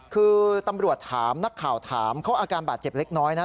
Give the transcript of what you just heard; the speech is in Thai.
คือตำรวจถามนักข่าวถามเขาอาการบาดเจ็บเล็กน้อยนะ